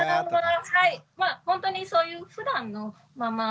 ほんとにそういうふだんのまま。